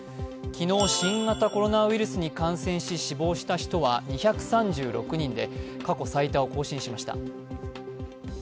昨日、新型コロナウイルスに感染し死亡した人は２３６人で過去最多を更新しました。